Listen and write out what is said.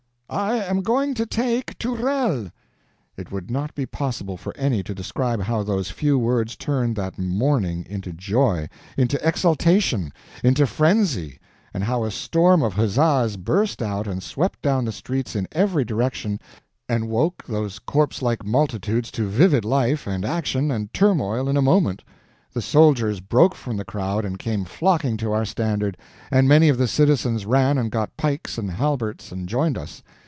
I am going to take the Tourelles." It would not be possible for any to describe how those few words turned that mourning into joy—into exaltation—into frenzy; and how a storm of huzzas burst out and swept down the streets in every direction and woke those corpse like multitudes to vivid life and action and turmoil in a moment. The soldiers broke from the crowd and came flocking to our standard, and many of the citizens ran and got pikes and halberds and joined us.